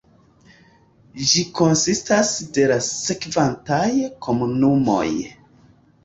Ĝi konsistas de la sekvantaj komunumoj.